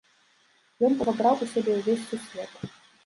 Ён увабраў у сябе ўвесь сусвет.